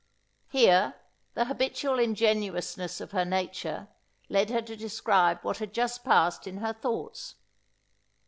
Here, the habitual ingenuousness of her nature, led her to describe what had just past in her thoughts.